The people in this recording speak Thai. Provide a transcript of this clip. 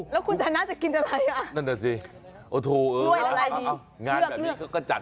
แล้วมีอย่างนึงที่อาจจะบอก